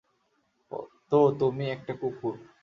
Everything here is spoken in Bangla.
তো, তুমি একটা কুকুর।